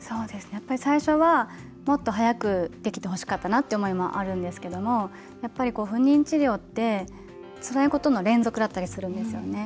やっぱり最初はもっと早くできてほしかったなという思いもあるんですけどもやっぱり、不妊治療ってつらいことの連続だったりするんですよね。